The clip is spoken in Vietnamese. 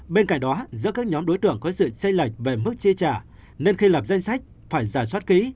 bên cạnh đó do các nhóm đối tượng có sự chây lệch về mức chi trả nên khi lập danh sách phải giả soát ký